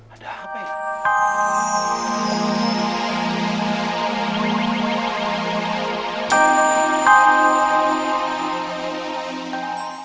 ada apa ya